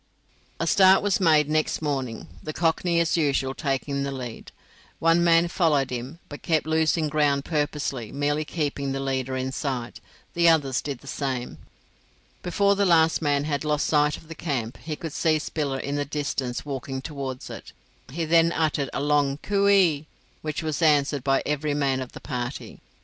A start was made next morning, the cockney as usual, taking the lead. One man followed him, but kept losing ground purposely, merely keeping the leader in sight; the others did the same. Before the last man had lost sight of the camp, he could see Spiller in the distance walking towards it. He then uttered a long coo ee, which was answered by every man of the party.